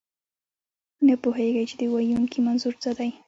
نه پوهېږئ، چې د ویونکي منظور څه دی.